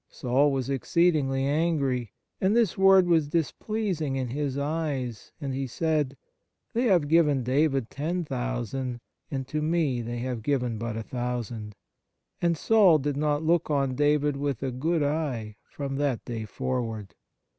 Saul was exceedingly angry, and this word was displeasing in his eyes, and he said :" They have given David ten thousand, and to me they have given but a thousand. ... And Saul did not look on David with a good eye from that day forward.